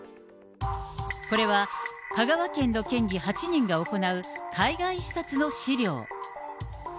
これは香川県の県議８人が行う海外視察の資料。